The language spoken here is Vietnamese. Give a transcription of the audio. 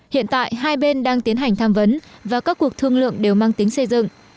hiện tại hai bên đang tiến hành tham vấn và các cuộc thương lượng đều mang tính xây dựng